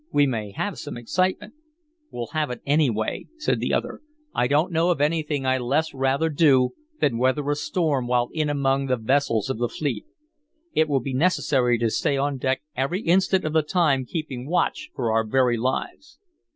"We may have some excitement." "We'll have it anyway," said the other. "I don't know of anything I less rather do than weather a storm while in among the vessels of the fleet. It will be necessary to stay on deck every instant of the time keeping watch for our very lives."